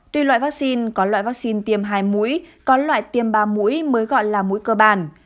tuy loại vaccine có loại vaccine tiêm hai mũi có loại tiêm ba mũi mới gọi là mũi cơ bản